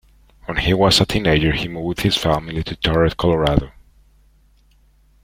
When he was a teenager he moved with his family to Turret, Colorado.